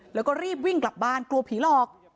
แล้วก็รีบวิ่งกลับบ้านกลัวผีหลอก